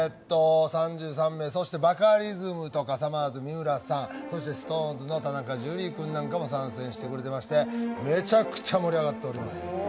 ３３名、そしてバカリズムとかさまぁず・三村さん三浦さん、そしてＳｉｘＴＯＮＥＳの田中樹君なんかも参戦してくださっていて、めちゃくちゃ盛り上がっております。